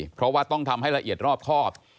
เพราะว่าต้องทำให้ละเอียดรอบครอบ